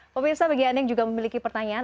pemirsa bagi anda yang juga memiliki pertanyaan